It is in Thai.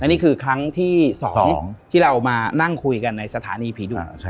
นี่คือครั้งที่๒ที่เรามานั่งคุยกันในสถานีผีดุ